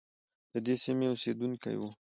ددې سیمې اوسیدونکی وو.